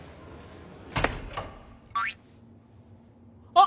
あっ！